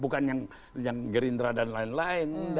bukan yang gerindra dan lain lain